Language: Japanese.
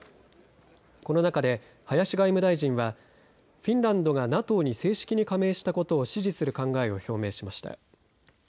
この中で、林外務大臣はフィンランドがＮＡＴＯに正式に加盟したことを支持する考えを表明しました。